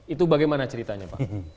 itu bagaimana ceritanya pak